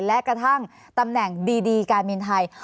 และกระทั่งตำแหน่งดีการบินไทย